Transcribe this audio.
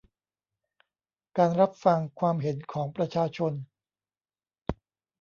การรับฟังความเห็นของประชาชน